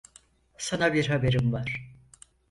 Sana bir haberim var.